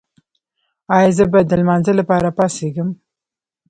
ایا زه باید د لمانځه لپاره پاڅیږم؟